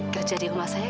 kerja di rumah saya